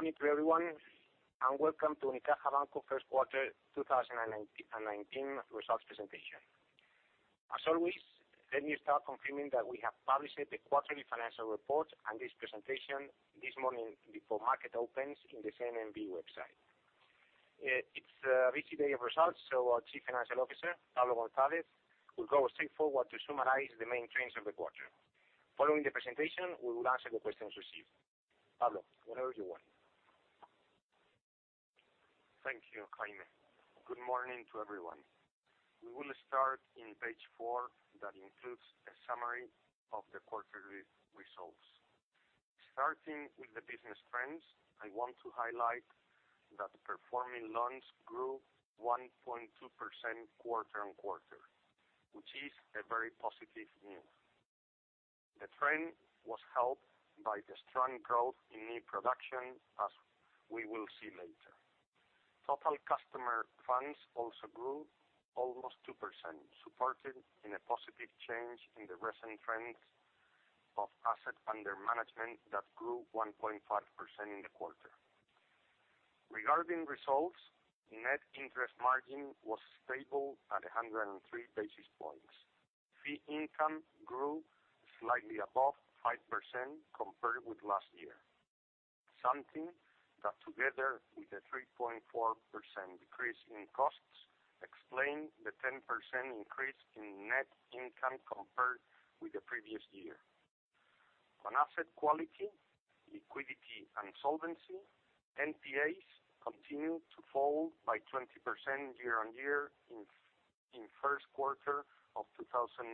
Good morning to everyone, welcome to Unicaja Banco First Quarter 2019 Results Presentation. As always, let me start confirming that we have published the quarterly financial report and this presentation this morning before market opens in the CNMV website. It is a busy day of results, our Chief Financial Officer, Pablo González, will go straightforward to summarize the main trends of the quarter. Following the presentation, we will answer the questions received. Pablo, whenever you want. Thank you, Jaime. Good morning to everyone. We will start in page four that includes a summary of the quarterly results. Starting with the business trends, I want to highlight that performing loans grew 1.2% quarter-on-quarter, which is a very positive news. The trend was helped by the strong growth in new production, as we will see later. Total customer funds also grew almost 2%, supported in a positive change in the recent trends of asset under management that grew 1.5% in the quarter. Regarding results, net interest margin was stable at 103 basis points. Fee income grew slightly above 5% compared with last year. Something that, together with the 3.4% decrease in costs, explain the 10% increase in net income compared with the previous year. On asset quality, liquidity and solvency, NPAs continued to fall by 20% year-on-year in first quarter of 2019.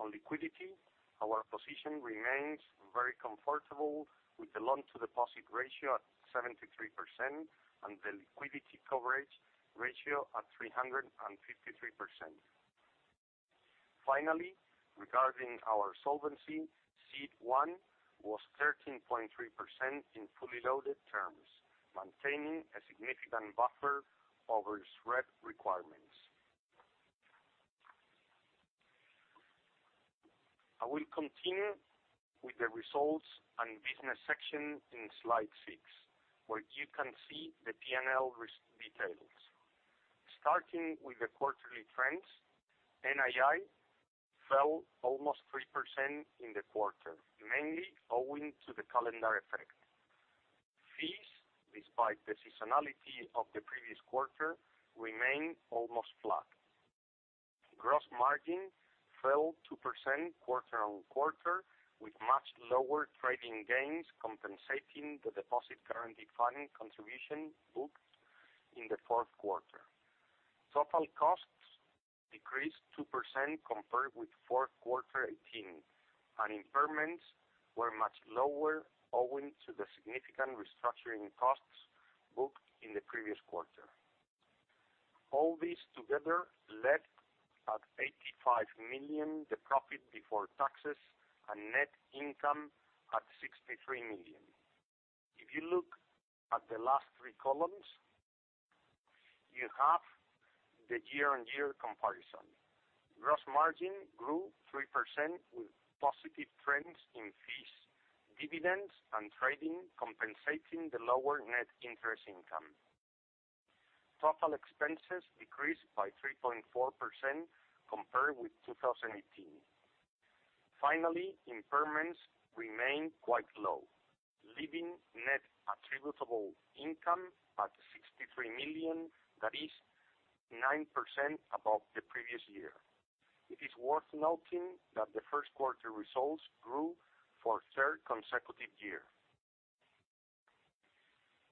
On liquidity, our position remains very comfortable with the loan-to-deposit ratio at 73% and the liquidity coverage ratio at 353%. Finally, regarding our solvency, CET1 was 13.3% in fully loaded terms, maintaining a significant buffer over SREP requirements. I will continue with the results and business section in slide six, where you can see the P&L risk details. Starting with the quarterly trends, NII fell almost 3% in the quarter, mainly owing to the calendar effect. Fees, despite the seasonality of the previous quarter, remain almost flat. Gross margin fell 2% quarter-on-quarter, with much lower trading gains compensating the Deposit Guarantee Fund contribution booked in the fourth quarter. Total costs decreased 2% compared with fourth quarter 2018, and impairments were much lower, owing to the significant restructuring costs booked in the previous quarter. All this together led at 85 million the profit before taxes and net income at 63 million. If you look at the last three columns, you have the year-on-year comparison. Gross margin grew 3% with positive trends in fees, dividends, and trading compensating the lower net interest income. Total expenses decreased by 3.4% compared with 2018. Finally, impairments remain quite low, leaving net attributable income at 63 million, that is 9% above the previous year. It is worth noting that the first quarter results grew for a third consecutive year.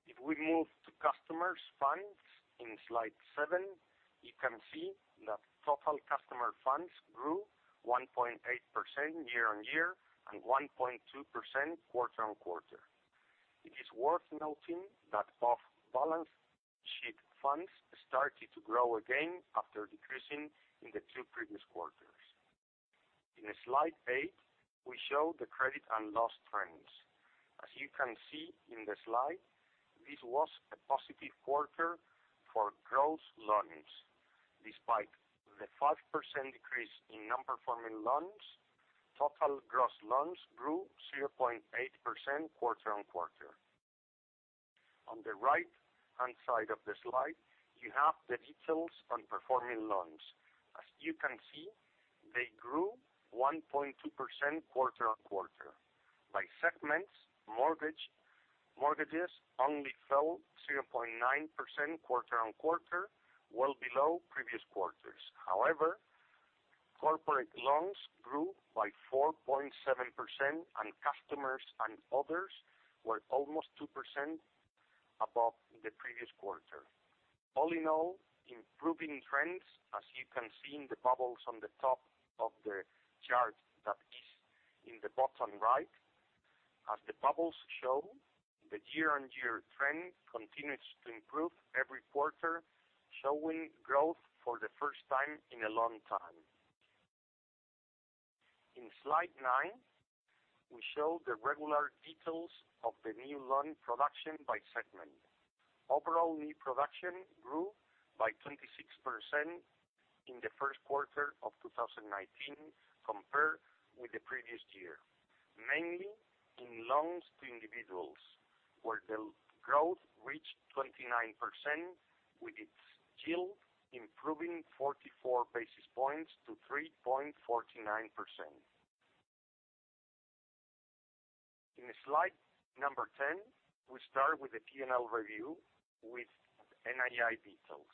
If we move to customers' funds in slide seven, you can see that total customer funds grew 1.8% year-on-year and 1.2% quarter-on-quarter. It is worth noting that off-balance sheet funds started to grow again after decreasing in the two previous quarters. In slide eight, we show the credit and loss trends. As you can see in the slide, this was a positive quarter for gross loans. Despite the 5% decrease in non-performing loans, total gross loans grew 0.8% quarter-on-quarter. On the right-hand side of the slide, you have the details on performing loans. As you can see, they grew 1.2% quarter-on-quarter. By segments, mortgages only fell 0.9% quarter-on-quarter, well below previous quarters. However, corporate loans grew by 4.7%, and customers and others were almost 2% above the previous quarter. All in all, improving trends, as you can see in the bubbles on the top of the chart that is in the bottom right. As the bubbles show, the year-on-year trend continues to improve every quarter, showing growth for the first time in a long time. In slide nine, we show the regular details of the new loan production by segment. Overall new production grew by 26% in the first quarter of 2019 compared with the previous year, mainly in loans to individuals, where the growth reached 29%, with its yield improving 44 basis points to 3.49%. In slide number 10, we start with the P&L review with NII details.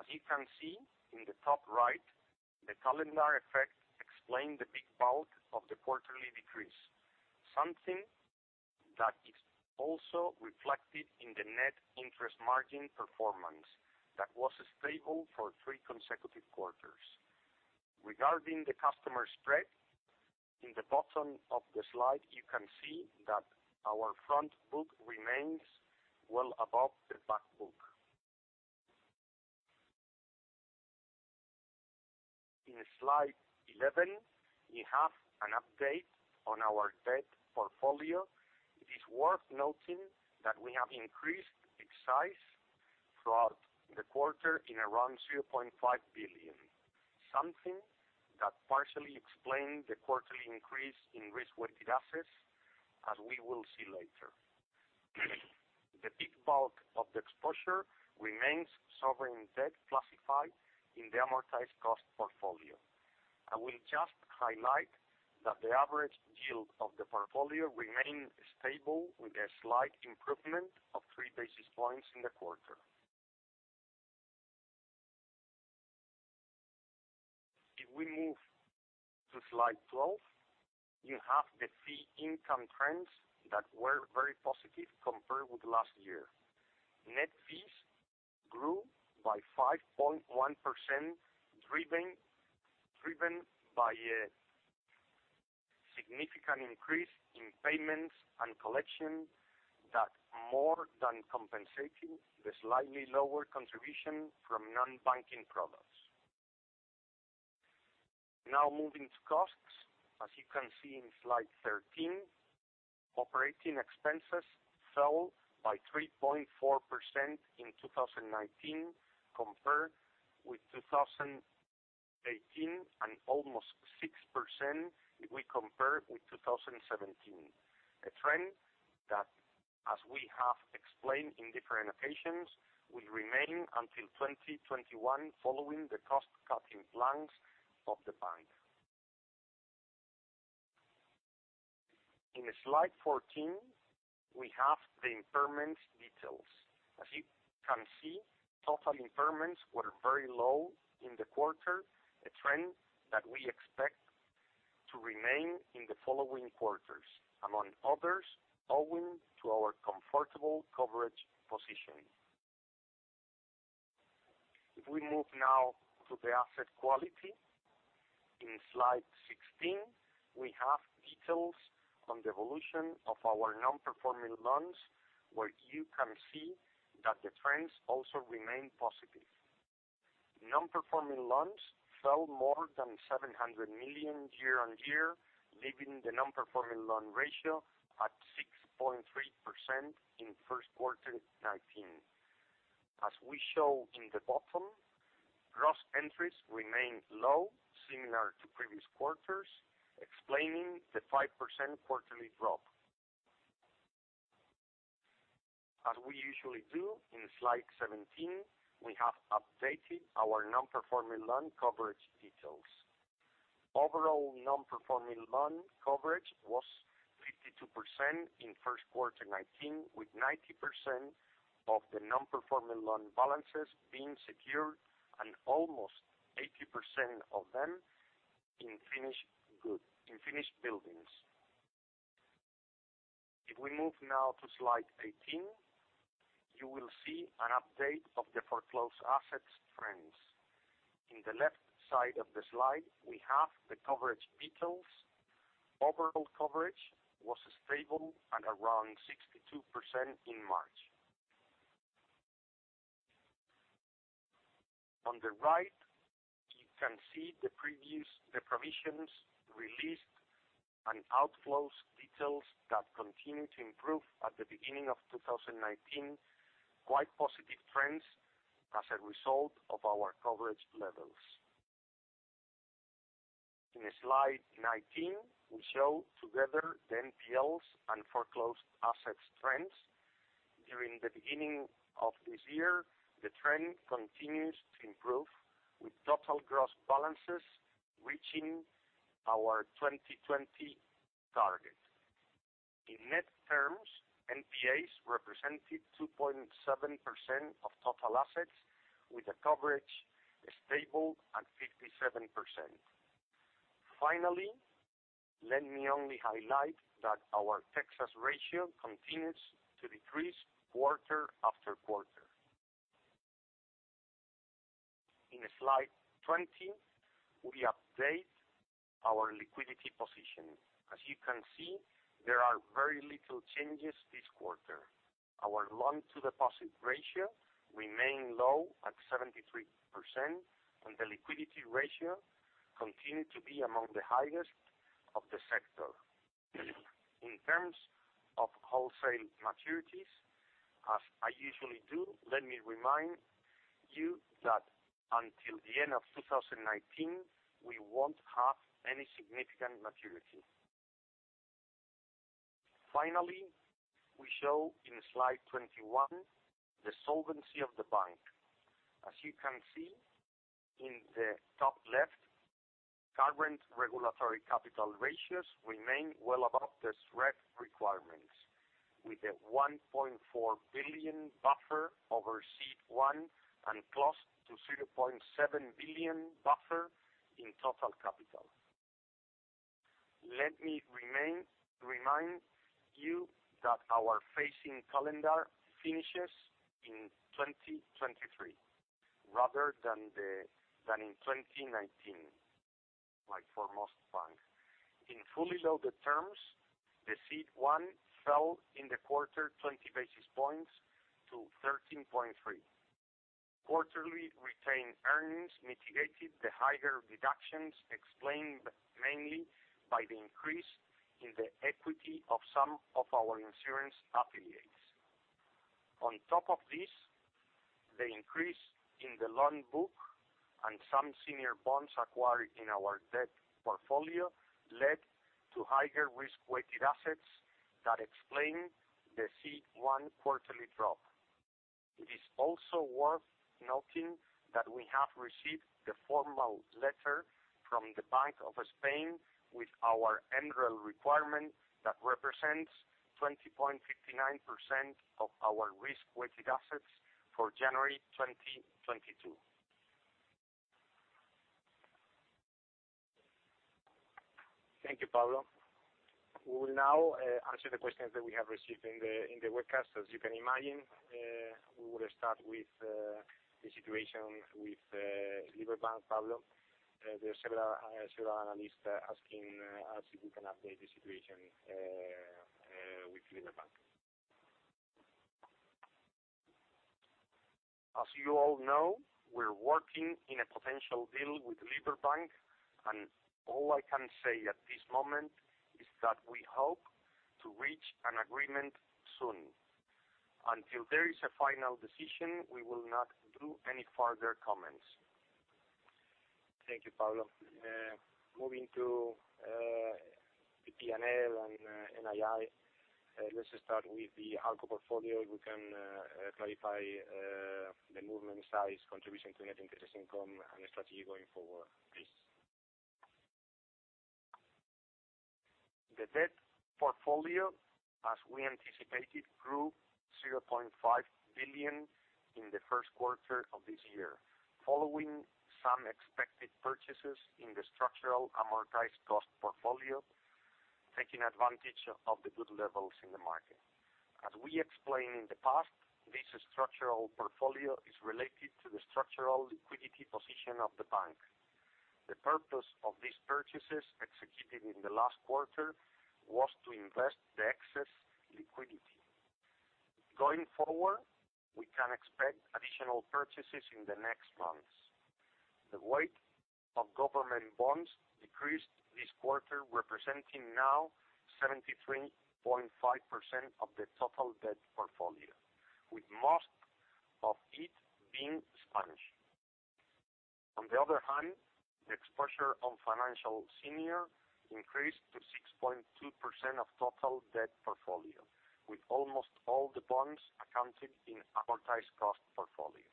As you can see in the top right, the calendar effect explained the big bulk of the quarterly decrease. Something that is also reflected in the net interest margin performance that was stable for three consecutive quarters. Regarding the customer spread, in the bottom of the slide, you can see that our front book remains well above the back book. In slide 11, we have an update on our debt portfolio. It is worth noting that we have increased its size throughout the quarter in around 2.5 billion, something that partially explained the quarterly increase in risk-weighted assets, as we will see later. The big bulk of the exposure remains sovereign debt classified in the amortized cost portfolio. I will just highlight that the average yield of the portfolio remained stable with a slight improvement of three basis points in the quarter. If we move to slide 12, you have the fee income trends that were very positive compared with last year. Net fees grew by 5.1%, driven by a significant increase in payments and collection that more than compensated the slightly lower contribution from non-banking products. Now moving to costs. As you can see in slide 13, operating expenses fell by 3.4% in 2019 compared with 2018, and almost 6% if we compare with 2017. A trend that, as we have explained on different occasions, will remain until 2021 following the cost-cutting plans of the bank. In slide 14, we have the impairment details. As you can see, total impairments were very low in the quarter, a trend that we expect to remain in the following quarters, among others, owing to our comfortable coverage positioning. If we move now to the asset quality, in slide 16, we have details on the evolution of our non-performing loans, where you can see that the trends also remain positive. Non-performing loans fell more than 700 million year-on-year, leaving the non-performing loan ratio at 6.3% in first quarter 2019. As we show in the bottom, gross entries remained low, similar to previous quarters, explaining the 5% quarterly drop. As we usually do, in slide 17, we have updated our non-performing loan coverage details. Overall non-performing loan coverage was 52% in first quarter 2019, with 90% of the non-performing loan balances being secured and almost 80% of them in finished buildings. If we move now to slide 18, you will see an update of the foreclosed assets trends. In the left side of the slide, we have the coverage details. Overall coverage was stable at around 62% in March. On the right, you can see the provisions released and outflows details that continue to improve at the beginning of 2019, quite positive trends as a result of our coverage levels. In slide 19, we show together the NPLs and foreclosed assets trends. During the beginning of this year, the trend continues to improve, with total gross balances reaching our 2020 target. In net terms, NPAs represented 2.7% of total assets, with the coverage stable at 57%. Let me only highlight that our Texas ratio continues to decrease quarter after quarter. In slide 20, we update our liquidity position. As you can see, there are very little changes this quarter. Our loan-to-deposit ratio remained low at 73%, and the liquidity ratio continued to be among the highest of the sector. In terms of wholesale maturities, as I usually do, let me remind you that until the end of 2019, we won't have any significant maturity. We show in slide 21 the solvency of the bank. As you can see in the top left, current regulatory capital ratios remain well above the SREP requirements, with a 1.4 billion buffer over CET1 and close to 0.7 billion buffer in total capital. Let me remind you that our phasing calendar finishes in 2023 rather than in 2019, like for most banks. In fully loaded terms, the CET1 fell in the quarter 20 basis points to 13.3%. Quarterly retained earnings mitigated the higher deductions explained mainly by the increase in the equity of some of our insurance affiliates. On top of this, the increase in the loan book and some senior bonds acquired in our debt portfolio led to higher risk-weighted assets that explain the CET1 quarterly drop. It is also worth noting that we have received the formal letter from the Bank of Spain with our MREL requirement that represents 20.59% of our risk-weighted assets for January 2022. Thank you, Pablo. We will now answer the questions that we have received in the webcast. As you can imagine, we will start with the situation with Liberbank, Pablo. There are several analysts asking us if we can update the situation with Liberbank. As you all know, we're working in a potential deal with Liberbank, All I can say at this moment is that we hope to reach an agreement soon. Until there is a final decision, we will not do any further comments. Thank you, Pablo. Moving to the P&L and NII. Let's start with the ALCO portfolio. We can clarify the movement size contribution to net interest income and strategy going forward, please. The debt portfolio, as we anticipated, grew 0.5 billion in the first quarter of this year, following some expected purchases in the structural amortized cost portfolio, taking advantage of the good levels in the market. As we explained in the past, this structural portfolio is related to the structural liquidity position of the bank. The purpose of these purchases executed in the last quarter was to invest the excess liquidity. Going forward, we can expect additional purchases in the next months. The weight of government bonds decreased this quarter, representing now 73.5% of the total debt portfolio, with most of it being Spanish. On the other hand, the exposure on financial senior increased to 6.2% of total debt portfolio, with almost all the bonds accounted in amortized cost portfolio.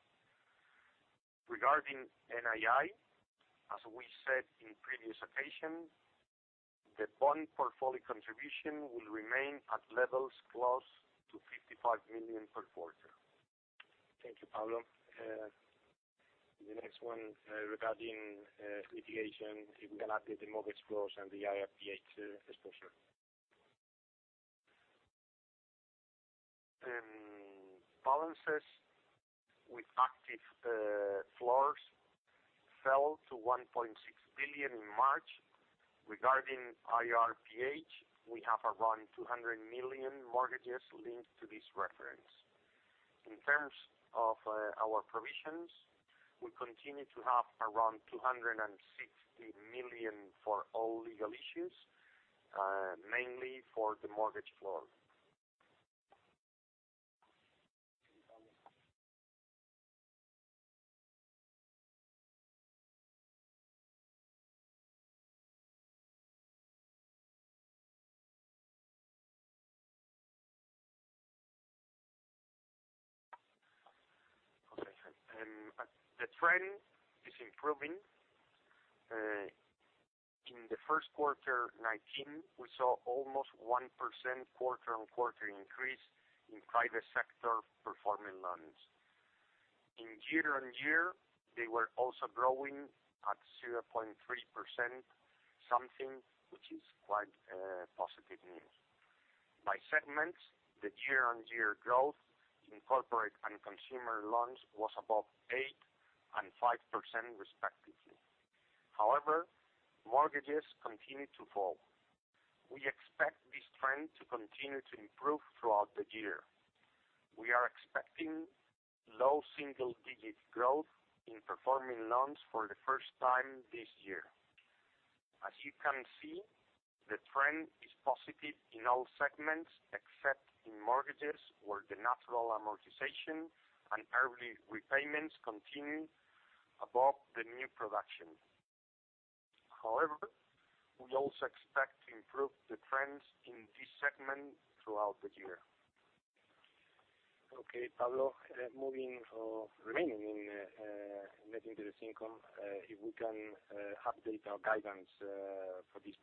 Regarding NII, as we said in previous occasions, the bond portfolio contribution will remain at levels close to 55 million per quarter. Thank you, Pablo. The next one regarding litigation, if we can update the mortgage floors and the IRPH exposure. Balances with active floors fell to 1.6 billion in March. Regarding IRPH, we have around 200 million mortgages linked to this reference. In terms of our provisions, we continue to have around 260 million for all legal issues, mainly for the mortgage floor. Okay. The trend is improving. In the first quarter 2019, we saw almost 1% quarter-on-quarter increase in private sector performing loans. In year-on-year, they were also growing at 0.3%, something which is quite positive news. By segments, the year-on-year growth in corporate and consumer loans was above 8% and 5% respectively. However, mortgages continued to fall. We expect this trend to continue to improve throughout the year. We are expecting low single-digit growth in performing loans for the first time this year. As you can see, the trend is positive in all segments except in mortgages, where the natural amortization and early repayments continue above the new production. However, we also expect to improve the trends in this segment throughout the year. Okay, Pablo, remaining in net interest income, if we can update our guidance for this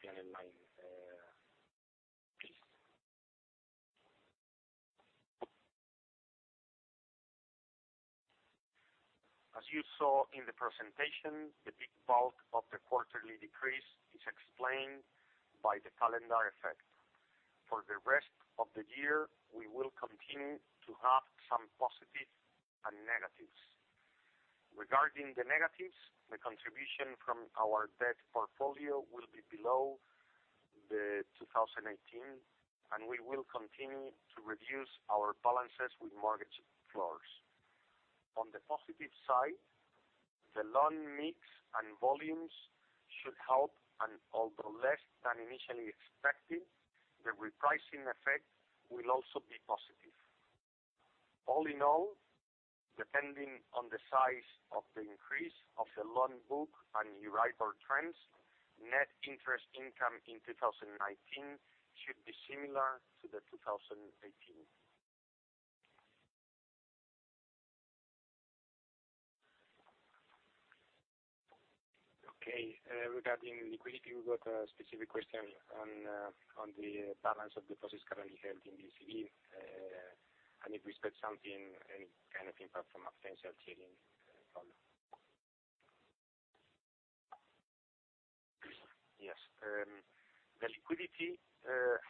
P&L line, please. As you saw in the presentation, the big bulk of the quarterly decrease is explained by the calendar effect. For the rest of the year, we will continue to have some positives and negatives. Regarding the negatives, the contribution from our debt portfolio will be below the 2018, and we will continue to reduce our balances with mortgage floors. On the positive side, the loan mix and volumes should help, and although less than initially expected, the repricing effect will also be positive. All in all, depending on the size of the increase of the loan book and Euribor trends, net interest income in 2019 should be similar to the 2018. Okay. Regarding liquidity, we have got a specific question on the balance of deposits currently held in ECB, and if we expect something, any kind of impact from a potential tiering problem. Yes. The liquidity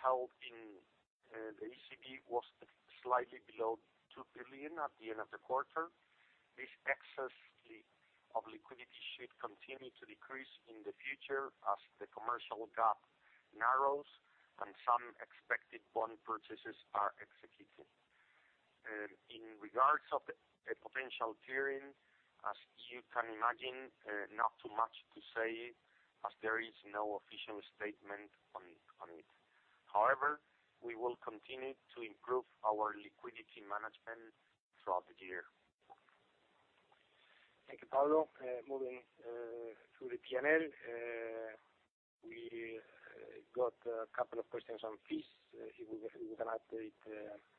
held in the ECB was slightly below 2 billion at the end of the quarter. This excess of liquidity should continue to decrease in the future as the commercial gap narrows and some expected bond purchases are executed. In regards of the potential tiering, as you can imagine, not too much to say as there is no official statement on it. However, we will continue to improve our liquidity management throughout the year. Thank you, Pablo. Moving through the P&L, we got a couple of questions on fees. If we can update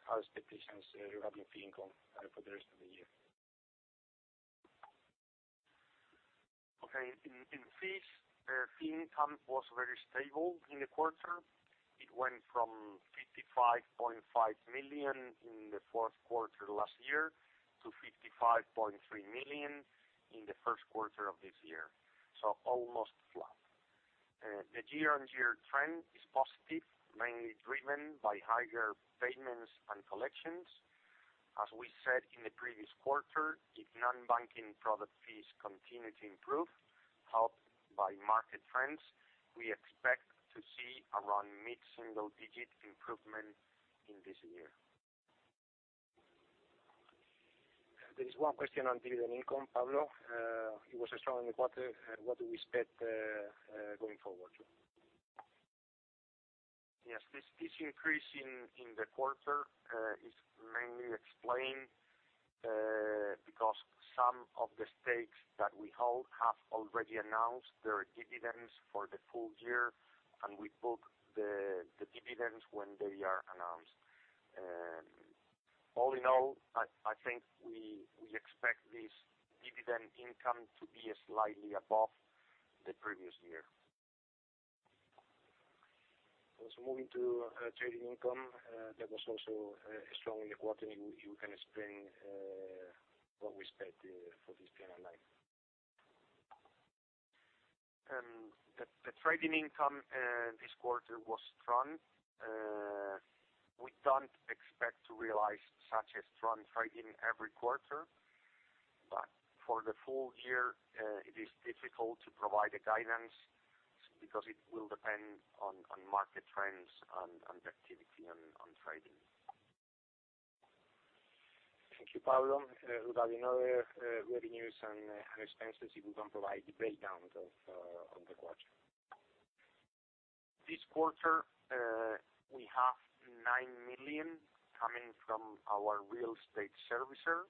our expectations regarding fee income for the rest of the year. Okay. In fees, fee income was very stable in the quarter. It went from 55.5 million in the fourth quarter last year to 55.3 million in the first quarter of this year. Almost flat. The year-on-year trend is positive, mainly driven by higher payments and collections. As we said in the previous quarter, if non-banking product fees continue to improve, helped by market trends, we expect to see around mid-single-digit improvement in this year. There is one question on dividend income, Pablo. It was strong in the quarter. What do we expect going forward? Yes. This increase in the quarter is mainly explained because some of the stakes that we hold have already announced their dividends for the full year, and we book the dividends when they are announced. All in all, I think we expect this dividend income to be slightly above the previous year. Moving to trading income, that was also strong in the quarter. You can explain what we expect for this P&L line. The trading income this quarter was strong. We don't expect to realize such a strong trading every quarter, but for the full year, it is difficult to provide a guidance because it will depend on market trends and the activity on trading. Thank you, Pablo. Regarding other revenues and expenses, if you can provide the breakdown of the quarter. This quarter, we have 9 million coming from our real estate servicer,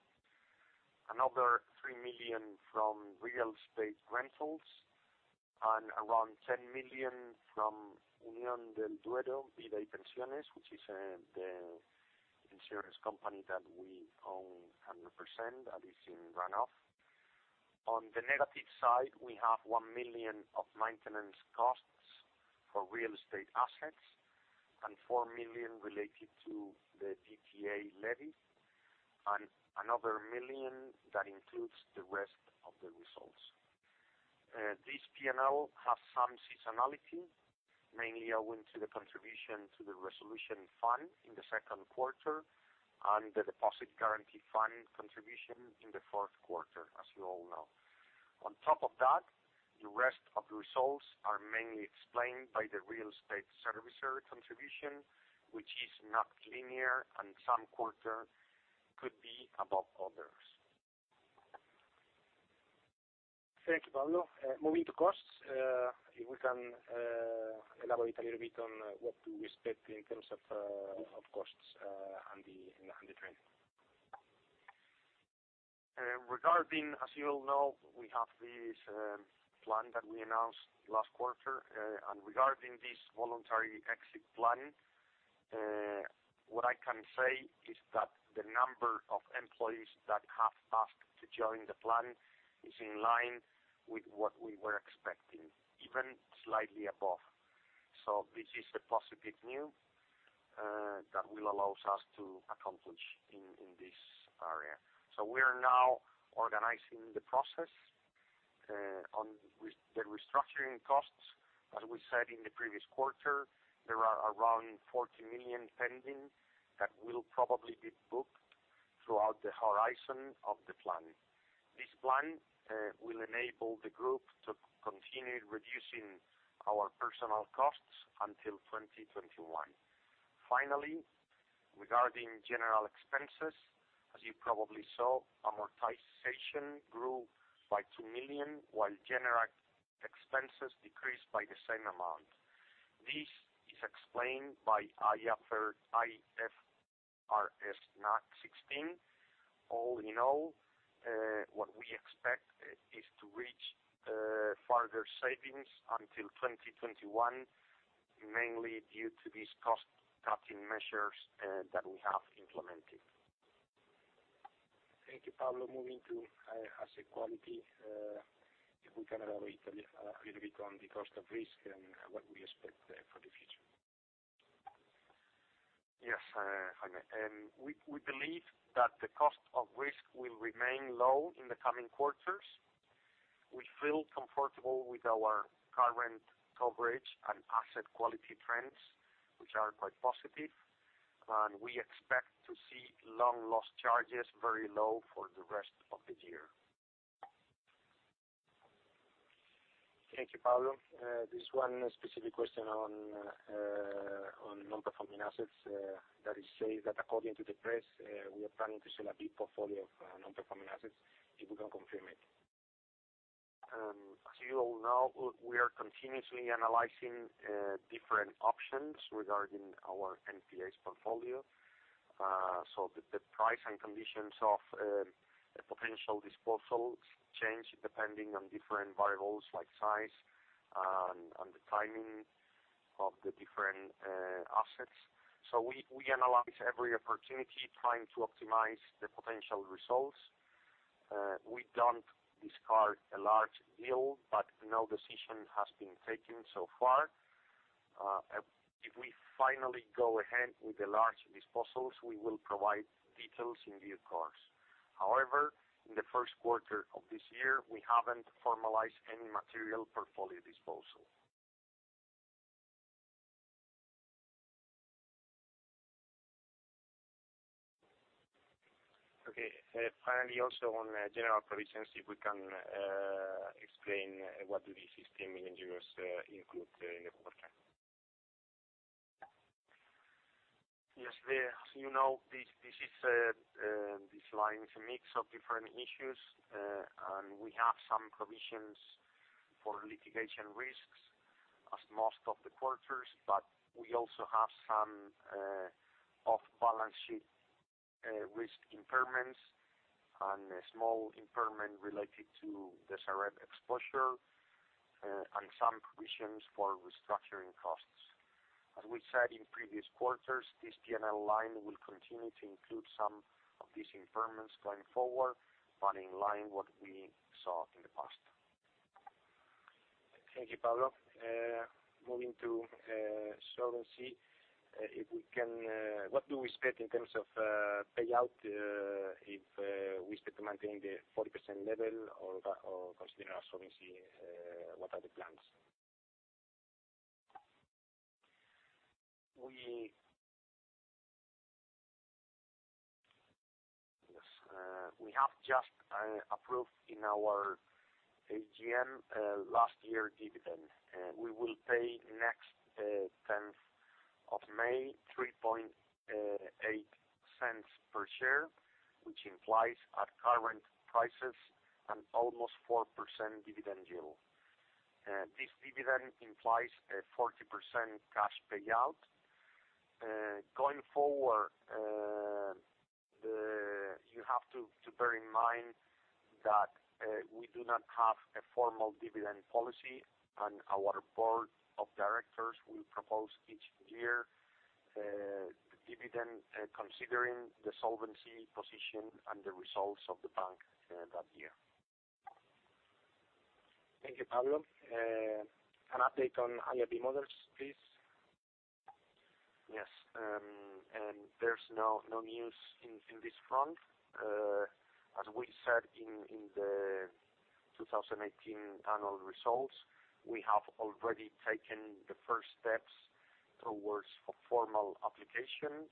another 3 million from real estate rentals, and around 10 million from Unión del Duero Vida y Pensiones, which is the insurance company that we own 100% that is in run-off. On the negative side, we have 1 million of maintenance costs for real estate assets and 4 million related to the DTA levy and another 1 million that includes the rest of the results. This P&L has some seasonality, mainly owing to the contribution to the resolution fund in the second quarter and the Deposit Guarantee Fund contribution in the fourth quarter, as you all know. On top of that, the rest of the results are mainly explained by the real estate servicer contribution, which is not linear and some quarters could be above others. Thank you, Pablo. Moving to costs, if we can elaborate a little bit on what to expect in terms of costs and the trend. Regarding, as you all know, we have this plan that we announced last quarter. Regarding this voluntary exit plan, what I can say is that the number of employees that have asked to join the plan is in line with what we were expecting, even slightly above. This is a positive news that will allow us to accomplish in this area. We are now organizing the process on the restructuring costs. As we said in the previous quarter, there are around 40 million pending that will probably be booked throughout the horizon of the plan. This plan will enable the group to continue reducing our personal costs until 2021. Finally, regarding general expenses, as you probably saw, amortization grew by 2 million, while general expenses decreased by the same amount. This is explained by IFRS 16. All in all, what we expect is to reach further savings until 2021, mainly due to these cost-cutting measures that we have implemented. Thank you, Pablo. Moving to asset quality, if we can elaborate a little bit on the cost of risk and what we expect for the future. Yes, Jaime. We believe that the cost of risk will remain low in the coming quarters. We feel comfortable with our current coverage and asset quality trends, which are quite positive. We expect to see loan loss charges very low for the rest of the year. Thank you, Pablo. Just one specific question on non-performing assets. That is, say that according to the press, we are planning to sell a big portfolio of non-performing assets. If we can confirm it. As you all know, we are continuously analyzing different options regarding our NPAs portfolio. The price and conditions of potential disposals change depending on different variables like size and the timing of the different assets. We analyze every opportunity, trying to optimize the potential results. We don't discard a large deal, no decision has been taken so far. If we finally go ahead with the large disposals, we will provide details in due course. However, in the first quarter of this year, we haven't formalized any material portfolio disposal. Okay. Finally, also on general provisions, if we can explain what do these EUR 16 million include in the quarter? Yes. As you know, this line is a mix of different issues, and we have some provisions for litigation risks as most of the quarters, but we also have some off-balance sheet risk impairments and a small impairment related to the Sareb exposure, and some provisions for restructuring costs. As we said in previous quarters, this P&L line will continue to include some of these impairments going forward, but in line what we saw in the past. Thank you, Pablo. Moving to solvency. What do we expect in terms of payout if we expect to maintain the 40% level or considering our solvency, what are the plans? We have just approved in our AGM last year dividend. We will pay next 10th of May, 0.038 per share, which implies at current prices an almost 4% dividend yield. This dividend implies a 40% cash payout. Going forward, you have to bear in mind that we do not have a formal dividend policy, and our board of directors will propose each year the dividend, considering the solvency position and the results of the bank that year. Thank you, Pablo. An update on IRB models, please. Yes. There's no news in this front. As we said in the 2018 annual results, we have already taken the first steps towards a formal application.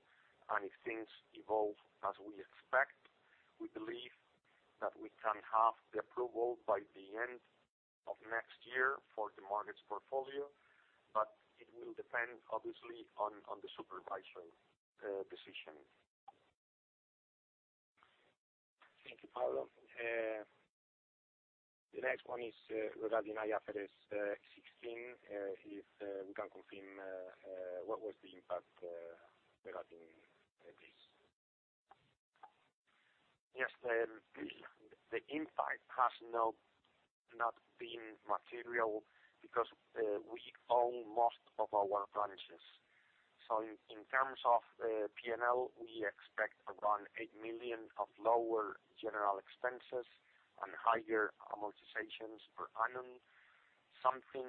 If things evolve as we expect, we believe that we can have the approval by the end of next year for the markets portfolio, it will depend, obviously, on the supervisory decision. Thank you, Pablo. The next one is regarding IFRS 16. If we can confirm what was the impact regarding this. Yes. The impact has not been material because we own most of our branches. In terms of P&L, we expect around 8 million of lower general expenses and higher amortizations per annum, something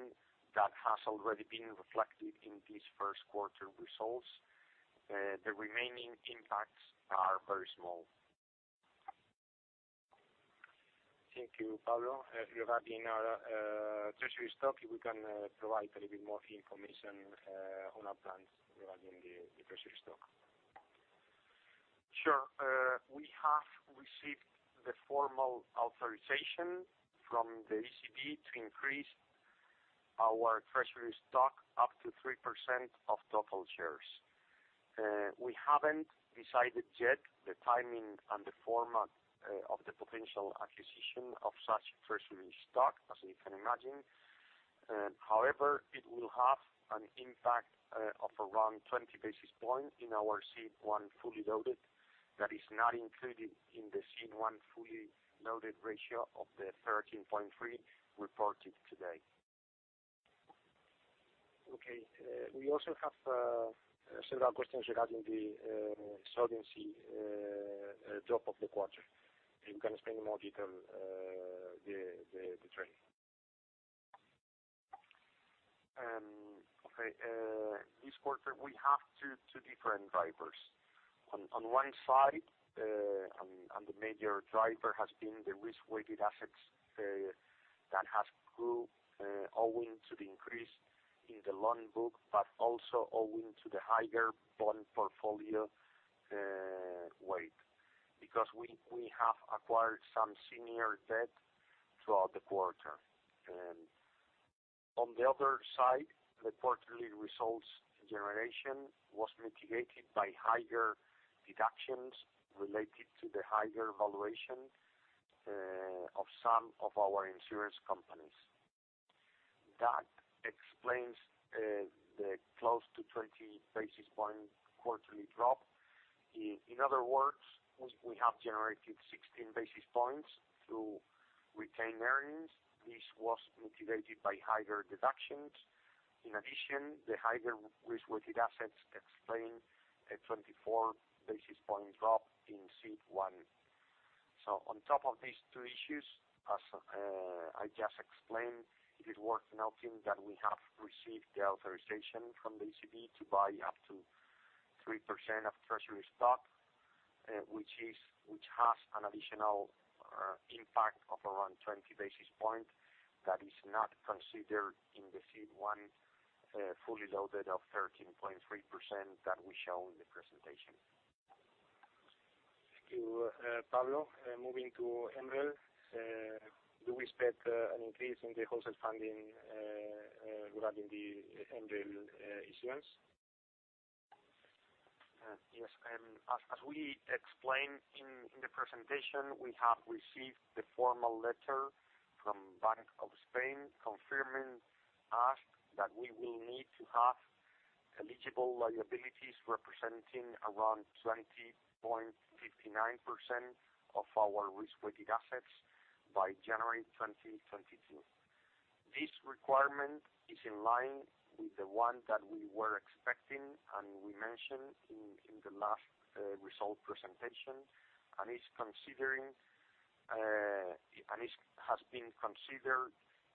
that has already been reflected in this first quarter results. The remaining impacts are very small. Thank you, Pablo. Regarding our treasury stock, if we can provide a little bit more information on our plans regarding the treasury stock. Sure. We have received the formal authorization from the ECB to increase our treasury stock up to 3% of total shares. We haven't decided yet the timing and the format of the potential acquisition of such treasury stock, as you can imagine. It will have an impact of around 20 basis points in our CET1 fully loaded that is not included in the CET1 fully loaded ratio of the 13.3 reported today. Okay. We also have several questions regarding the solvency drop of the quarter. If you can explain in more detail the trend. Okay. This quarter, we have two different drivers. On one side, the major driver has been the risk-weighted assets that has grew owing to the increase in the loan book, but also owing to the higher bond portfolio weight, because we have acquired some senior debt throughout the quarter. On the other side, the quarterly results generation was mitigated by higher deductions related to the higher valuation of some of our insurance companies. That explains the close to 20 basis point quarterly drop. In other words, we have generated 16 basis points through retained earnings. This was mitigated by higher deductions. The higher risk-weighted assets explain a 24 basis point drop in CET1. On top of these two issues, as I just explained, it is worth noting that we have received the authorization from the ECB to buy up to 3% of treasury stock, which has an additional impact of around 20 basis points that is not considered in the CET1 fully loaded of 13.3% that we show in the presentation. Thank you, Pablo. Moving to MREL, do we expect an increase in the wholesale funding regarding the MREL issuance? Yes. As we explained in the presentation, we have received the formal letter from Bank of Spain confirming us that we will need to have eligible liabilities representing around 20.59% of our risk-weighted assets by January 2022. This requirement is in line with the one that we were expecting and we mentioned in the last result presentation. It has been considered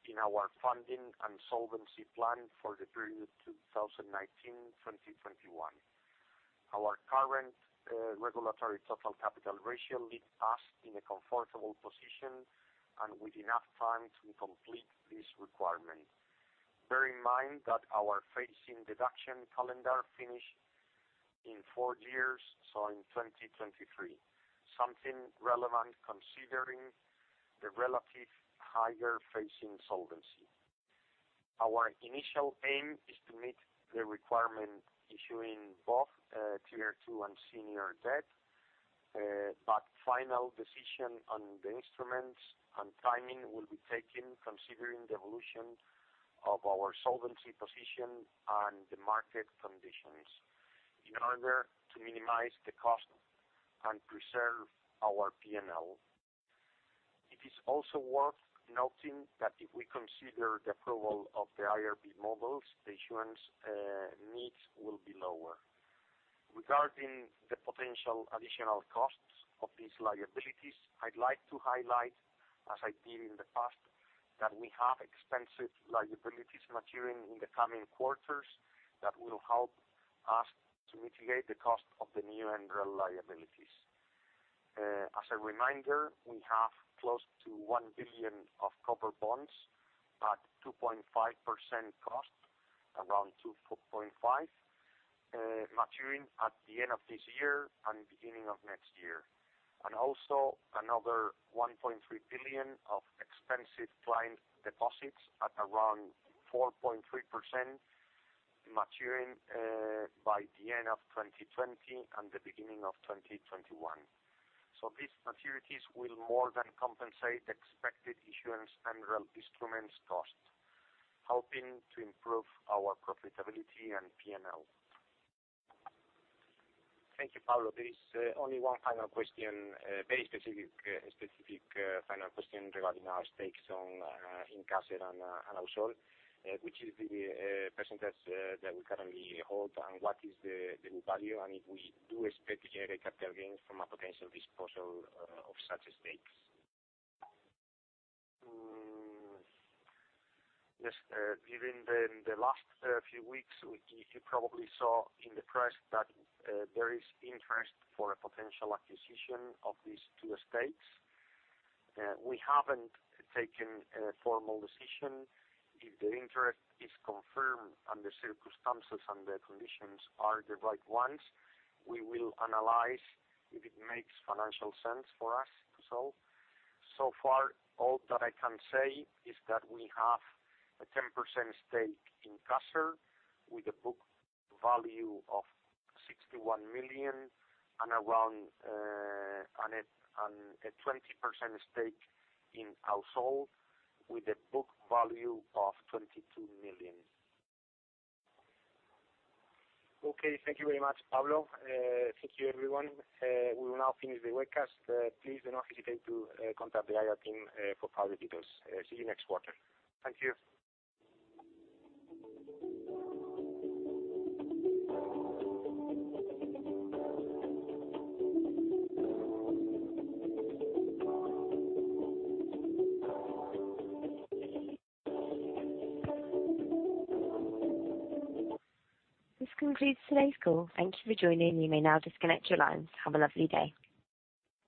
in our funding and solvency plan for the period 2019-2021. Our current regulatory total capital ratio leaves us in a comfortable position and with enough time to complete this requirement. Bear in mind that our phasing deduction calendar finish in four years, so in 2023, something relevant considering the relative higher phasing solvency. Our initial aim is to meet the requirement issuing both Tier 2 and senior debt. Final decision on the instruments and timing will be taken considering the evolution of our solvency position and the market conditions in order to minimize the cost and preserve our P&L. It is also worth noting that if we consider the approval of the IRB models, the issuance needs will be lower. Regarding the potential additional costs of these liabilities, I'd like to highlight, as I did in the past, that we have expensive liabilities maturing in the coming quarters that will help us to mitigate the cost of the new MREL liabilities. As a reminder, we have close to 1 billion of covered bonds at 2.5% cost, around 2.5%, maturing at the end of this year and beginning of next year. Also another 1.3 billion of expensive client deposits at around 4.3%, maturing by the end of 2020 and the beginning of 2021. These maturities will more than compensate expected issuance and real instruments cost, helping to improve our profitability and P&L. Thank you, Pablo. There is only one final question, very specific final question regarding our stakes in Caser and Ausol. Which is the percentage that we currently hold, and what is the book value, and if we do expect to generate capital gains from a potential disposal of such stakes? Yes. During the last few weeks, you probably saw in the press that there is interest for a potential acquisition of these two stakes. We haven't taken a formal decision. If the interest is confirmed and the circumstances and the conditions are the right ones, we will analyze if it makes financial sense for us. So far, all that I can say is that we have a 10% stake in Caser with a book value of 61 million and a 20% stake in Ausol with a book value of 22 million. Okay. Thank you very much, Pablo. Thank you, everyone. We will now finish the webcast. Please do not hesitate to contact the IR team for further details. See you next quarter. Thank you. This concludes today's call. Thank you for joining. You may now disconnect your lines. Have a lovely day.